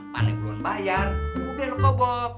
panik gue bayar udah lo kebob